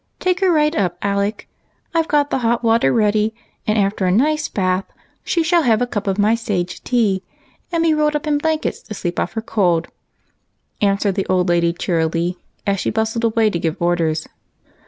Take her right up, Alec ; I 've got the hot water ready, and after a nice bath, she shall have a cup of my sage tea, and be rolled up in blankets to sleep off her cold," answered the old lady, cheerily, as she bustled away to give orders.